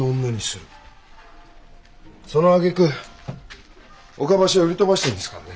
そのあげく岡場所へ売り飛ばしてるんですからね。